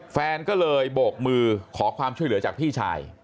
แฟนก็เลยโบกมือขอความช่วยเหลือจากพี่ชาย